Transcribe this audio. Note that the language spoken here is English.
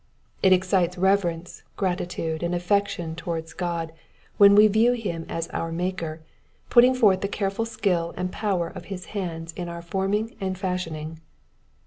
It excites reverence, gratitude, and affection towards God when we view him as our Maker, putting forth the careful skill and power of his hands in our forming and fashioning.